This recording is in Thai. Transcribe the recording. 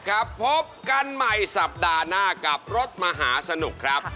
พบกันใหม่สัปดาห์หน้ากับรถมหาสนุกครับ